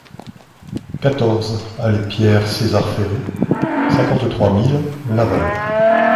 quatorze allée Pierre César Ferret, cinquante-trois mille Laval